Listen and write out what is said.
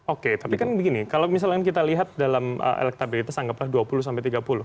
oke tapi kan begini kalau misalnya kita lihat dalam elektabilitas anggaplah dua puluh sampai tiga puluh